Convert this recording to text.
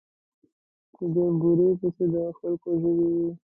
چې د بورې پسې د خلکو ژبې وې.